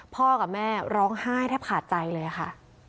พ่อกับแม่ร้องไห้แทบขาดใจเลยค่ะ